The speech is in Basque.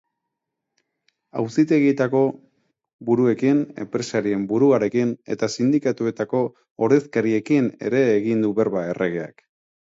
Auzitegietako buruekin, enpresarien buruarekin eta sindikatuetako ordezkariekin ere egin du berba erregeak.